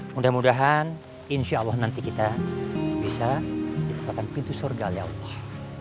mudah mudahan insya allah nanti kita bisa di tempat pintu surga allah